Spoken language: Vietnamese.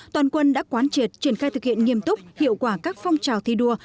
toàn quân đã quán triệt triển khai thực hiện nghiêm túc hiệu quả các phong trào thi đua